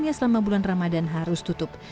yang selama bulan ramadan harus tutup